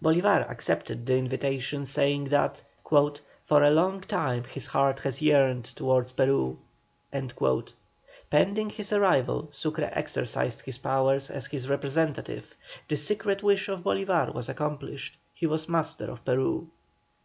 Bolívar accepted the invitation, saying that "for a long time his heart had yearned towards Peru." Pending his arrival Sucre exercised his powers as his representative; the secret wish of Bolívar was accomplished, he was master of Peru.